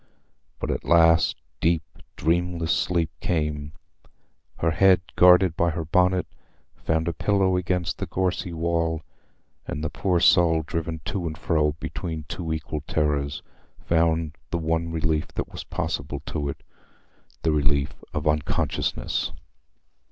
But at last deep dreamless sleep came; her head, guarded by her bonnet, found a pillow against the gorsy wall, and the poor soul, driven to and fro between two equal terrors, found the one relief that was possible to it—the relief of unconsciousness.